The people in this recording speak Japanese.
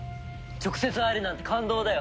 直接会えるなんて感動だよ。